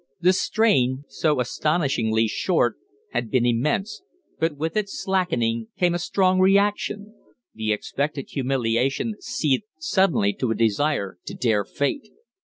The strain, so astonishingly short, had been immense, but with its slackening came a strong reaction. The expected humiliation seethed suddenly to a desire to dare fate.